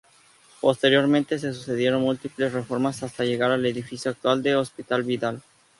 Posteriormente se sucedieron múltiples reformas hasta llegar al edificio actual del Hospital Vidal.